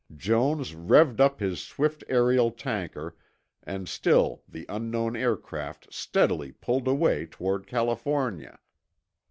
Jones revved up his swift aerial tanker and still the unknown aircraft steadily pulled away toward California.